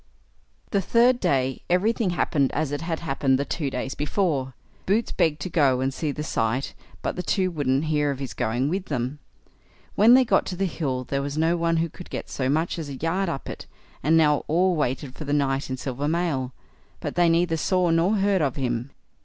The third day everything happened as it had happened the two days before. Boots begged to go and see the sight, but the two wouldn't hear of his going with them. When they got to the hill there was no one who could get so much as a yard up it; and now all waited for the knight in silver mail, but they neither saw nor heard of him.